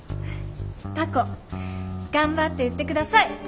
たこ頑張って売って下さい。